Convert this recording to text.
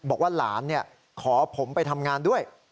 บอกว่าหลานขอผมไปทำงานด้วย